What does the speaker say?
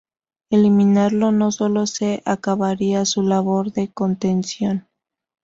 Eliminarlo no solo se acabaría su labor de contención.